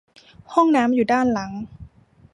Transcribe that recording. ห้องน้ำอยู่ด้านหลัง